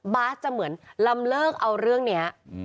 บาสจะเหมือนลำเลิกเอาเรื่องนี้